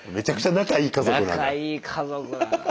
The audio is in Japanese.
仲いい家族だな。